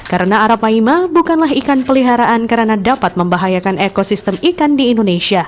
karena arapaima bukanlah ikan peliharaan karena dapat membahayakan ekosistem ikan di indonesia